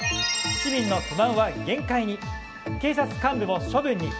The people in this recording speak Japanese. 市民の不満は限界に警察幹部も処分に。